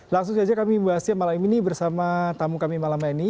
langsung saja kami bahasnya malam ini bersama tamu kami malam ini